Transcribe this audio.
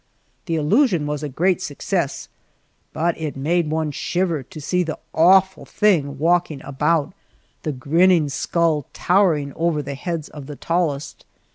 The illusion was a great success, but it made one shiver to see the awful thing walking about, the grinning skull towering over the heads of the tallest.